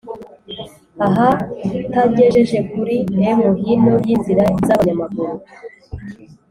ahatagejeje kuri m hino y' inzira z' abanyamaguru